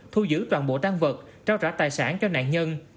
thu giữ toàn bộ tan vật trao trả tài sản cho nạn nhân